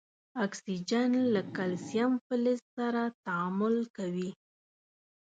اکسیجن له کلسیم فلز سره تعامل کوي.